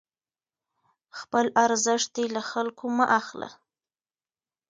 خپل ارزښت دې له خلکو مه اخله،